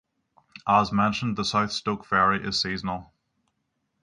As mentioned the South Stoke ferry is seasonal.